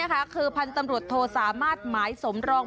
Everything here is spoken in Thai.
คือพันธุ์ตำรวจโทสามารถหมายสมรอง